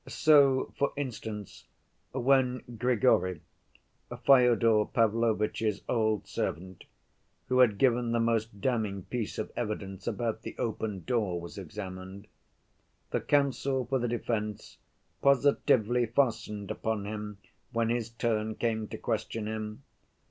So, for instance, when Grigory, Fyodor Pavlovitch's old servant, who had given the most damning piece of evidence about the open door, was examined, the counsel for the defense positively fastened upon him when his turn came to question him.